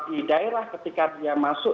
di daerah ketika dia masuk